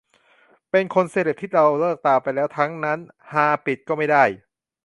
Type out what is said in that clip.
เป็นคน เซเลบ ที่เราเลิกตามไปแล้วทั้งนั้น ฮา ปิดก็ไม่ได้